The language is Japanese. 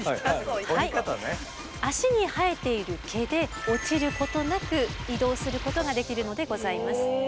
脚に生えている毛で落ちることなく移動することができるのでございます。